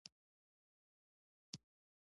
مولوي شاکر وویل چې ترهې د دوی ژبه تړلې ده.